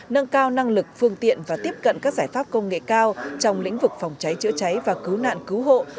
nâng cao năng lực phương tiện và tiếp cận các giải pháp công nghệ cao trong lĩnh vực phòng cháy chữa cháy và cứu nạn cứu hộ